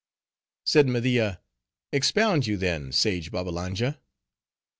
Said Media, "Expound you, then, sage Babbalanja."